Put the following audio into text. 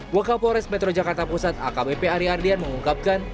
wakil polres metro jakarta pusat akbp ari ardian mengungkapkan